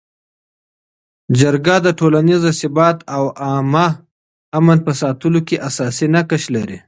جرګه د ټولنیز ثبات او عامه امن په ساتلو کي اساسي نقش لري.